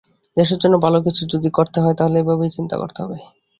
দেশের জন্য ভালো কিছু যদি করতে হয়, তাহলে এভাবেই চিন্তা করতে হবে।